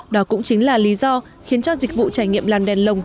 đó cũng chính là lý do khiến cho dịch vụ trải nghiệm làm đèn lồng